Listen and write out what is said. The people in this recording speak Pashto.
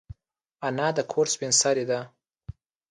انا د کور سپین سرې ده